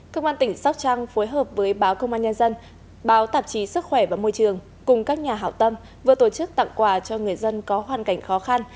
công an tỉnh sóc trăng phối hợp với báo công an nhân dân báo tạp chí sức khỏe và môi trường cùng các nhà hảo tâm vừa tổ chức tặng quà cho người dân có hoàn cảnh khó khăn